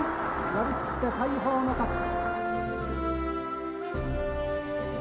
寄り切って大鵬の勝ち。